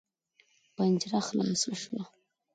پنجره خلاصه شوه.